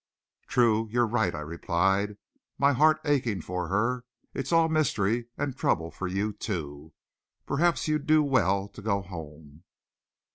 "True, you're right," I replied, my heart aching for her. "It's all mystery and trouble for you, too. Perhaps you'd do well to go home."